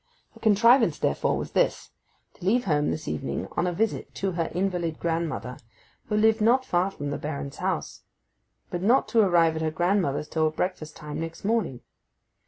Her contrivance therefore was this: to leave home this evening on a visit to her invalid grandmother, who lived not far from the Baron's house; but not to arrive at her grandmother's till breakfast time next morning.